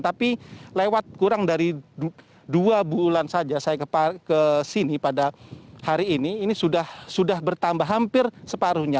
tapi lewat kurang dari dua bulan saja saya ke sini pada hari ini ini sudah bertambah hampir separuhnya